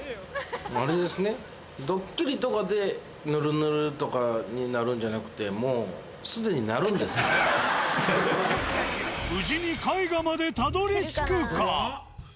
あれですね、ドッキリとかでぬるぬるとかになるんじゃなくて、もうすでになる無事に絵画までたどりつくか。